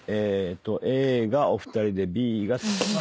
Ａがお二人でＢが。